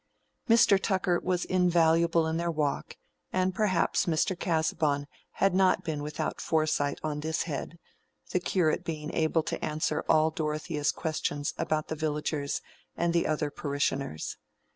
Mr. Tucker was invaluable in their walk; and perhaps Mr. Casaubon had not been without foresight on this head, the curate being able to answer all Dorothea's questions about the villagers and the other parishioners.